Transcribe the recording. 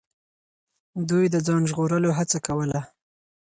دوی د ځان ژغورلو هڅه کوله.